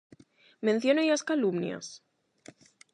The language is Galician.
Mencionei as calumnias?